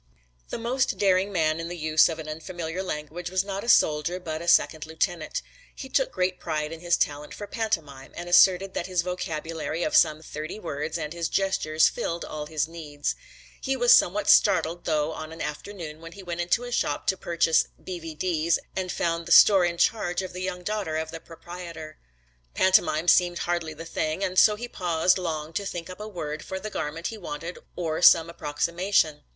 The most daring man in the use of an unfamiliar language was not a soldier but a second lieutenant. He took great pride in his talent for pantomime and asserted that his vocabulary of some thirty words and his gestures filled all his needs. He was somewhat startled though on an afternoon when he went into a shop to purchase "B.V.D.'s" and found the store in charge of the young daughter of the proprietor. Pantomime seemed hardly the thing and so he paused long to think up a word for the garment he wanted or some approximation.